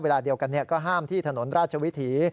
เวลาเดียวกันก็ห้ามที่ถนนราชวิถี